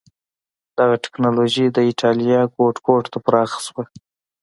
دغه ټکنالوژي د اېټالیا ګوټ ګوټ ته پراخه شوه.